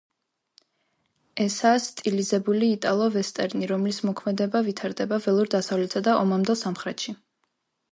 ესაა სტილიზებული იტალო-ვესტერნი, რომლის მოქმედება ვითარდება ველურ დასავლეთსა და ომამდელ სამხრეთში.